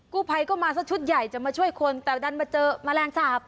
กู้ภัยก็มาสักชุดใหญ่จะมาช่วยคนแต่ดันมาเจอแมลงสาป